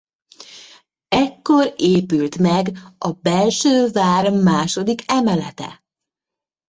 Ekkor épült meg a belső vár második emelete.